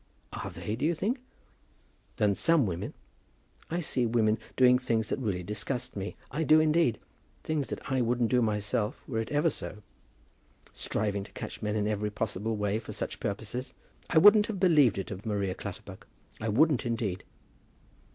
"Are they, do you think?" "Than some women. I see women doing things that really disgust me; I do, indeed; things that I wouldn't do myself, were it ever so; striving to catch men in every possible way, and for such purposes! I wouldn't have believed it of Maria Clutterbuck. I wouldn't indeed.